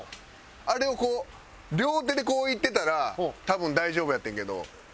あれを両手でこういってたら多分大丈夫やってんけど。